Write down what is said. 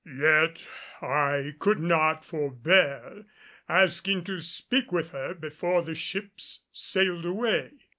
Yet I could not forbear asking to speak with her before the ships sailed away.